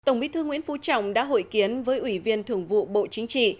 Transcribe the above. tổng bí thư nguyễn phú trọng đã hội kiến với ủy viên thường vụ bộ chính trị